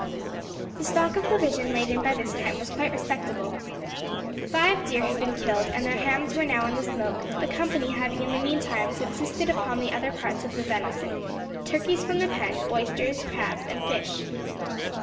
The stock of provision laid in by this time was quite respectable. Five deer had been killed, and their hams were now in the smoke, the company having in the meantime subsisted upon the other parts of the venison, turkeys from the pen, oysters, crabs, and fish.